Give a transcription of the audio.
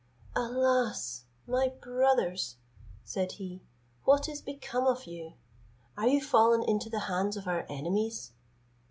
"Alas! my brothers," said he, "what is become of you? Are you fallen into the hands of our enemies?